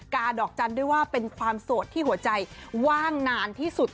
ดอกจันทร์ด้วยว่าเป็นความโสดที่หัวใจว่างนานที่สุด